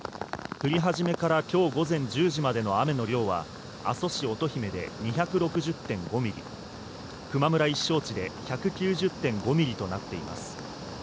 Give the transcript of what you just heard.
降り始めから今日午前１０時までの雨の量は阿蘇市乙姫で２６０．５ミリ、球磨村一勝地で１９０．５ミリとなっています。